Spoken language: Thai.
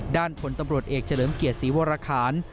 ผลตำรวจเอกเฉลิมเกียรติศรีวรคาร